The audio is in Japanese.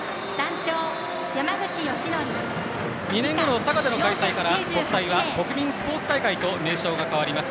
２年後の佐賀での大会から国体は国民スポーツ大会と名称が変わります。